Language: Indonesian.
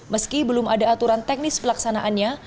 meski belum ada aturan teknis pelaksanaannya